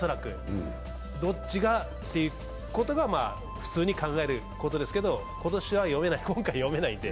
どっちがということが普通に考えることですけど、今年は読めない、今回は読めないんで。